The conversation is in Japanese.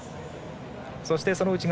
そして、その内側